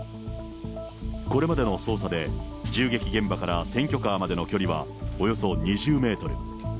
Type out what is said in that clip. これまでの捜査で、銃撃現場から選挙カーまでの距離はおよそ２０メートル。